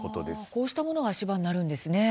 こうしたものが足場になるんですね。